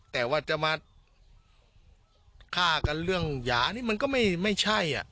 แต่ว่าจะมาฆ่ากันเรื่องหยานี่มันก็ไม่ใช่